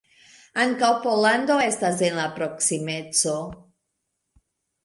Ankaŭ Pollando estas en la proksimeco.